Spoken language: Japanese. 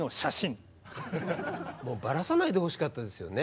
もうバラさないでほしかったですよね。